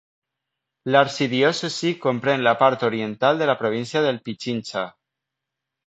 L'arxidiòcesi comprèn la part oriental de la província del Pichincha.